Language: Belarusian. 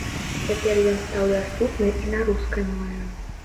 Цяпер ён стаў даступны і на рускай мове.